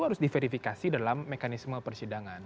harus diverifikasi dalam mekanisme persidangan